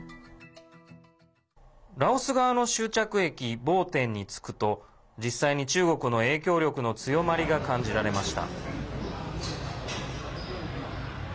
ラオス側の終着駅ボーテンに着くと実際に、中国の影響力の強まりが感じられました。